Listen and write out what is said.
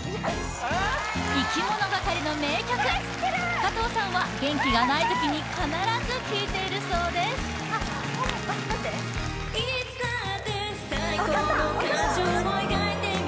いきものがかりの名曲加藤さんは元気がない時に必ず聴いているそうです・分かった分かった！